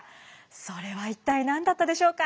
それは一体何だったでしょうか。